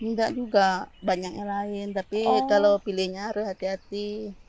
enggak juga banyak yang lain tapi kalau pilihnya harus hati hati